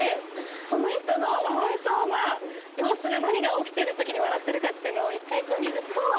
その人の笑いそうな様子が何が起きてる時に笑ってるかっていうのを１回見ると。